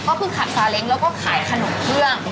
ก็คือขับซาเล้งแล้วก็ขายขนมเครื่อง